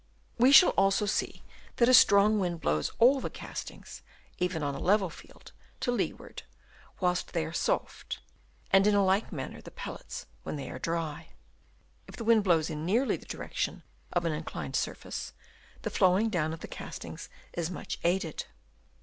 We shall also see that a strong wind blows all the castings, 264 DENUDATION OF THE LAND Chap. VI. even on a level field, to leeward, whilst they are soft; and in like manner the pellets when they are dry. If the wind hlows in nearly the direction of an inclined surface, the flowing down of the castings is much aided.